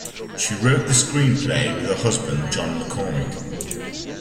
She wrote the screenplay with her husband John McCormick.